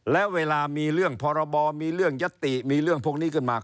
แล้วเวลามีเรื่องพรบมีเรื่องยัตติมีเรื่องพวกนี้ขึ้นมา